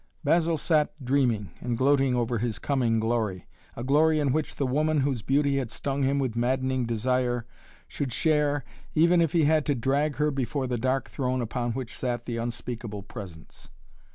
Basil sat dreaming and gloating over his coming glory; a glory in which the woman whose beauty had stung him with maddening desire should share, even if he had to drag her before the dark throne upon which sat the Unspeakable Presence.